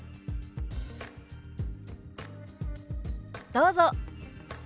どうぞ。